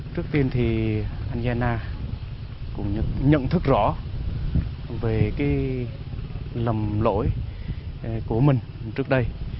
trước tiên thì anh gia na cũng nhận thức rõ về cái lầm lỗi của mình trước đây